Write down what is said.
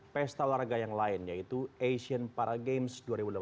pesta olahraga yang lain yaitu asian para games dua ribu delapan belas